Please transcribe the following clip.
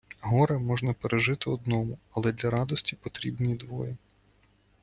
Горе можна пережити одному, але для радості потрібні двоє.